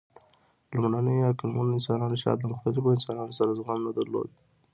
لومړنیو عقلمنو انسانانو شاید له مختلفو انسانانو سره زغم نه درلود.